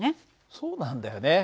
そうなんだよね。